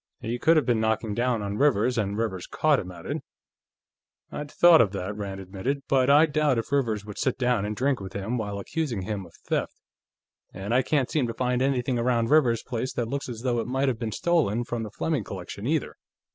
He could have been knocking down on Rivers, and Rivers caught him at it." "I'd thought of that," Rand admitted. "But I doubt if Rivers would sit down and drink with him, while accusing him of theft. And I can't seem to find anything around Rivers's place that looks as though it might have been stolen from the Fleming collection, either....